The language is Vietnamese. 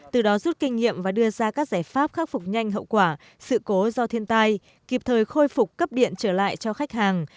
từ đó rút kinh nghiệm và đưa ra các giải pháp khắc phục nhanh hậu quả sự cố do thiên tai kịp thời khôi phục cấp điện trở lại cho khách hàng